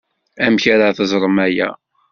Amek ara teẓrem aya?